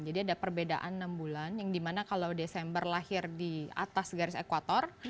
jadi ada perbedaan enam bulan yang dimana kalau desember lahir di atas garis ekwator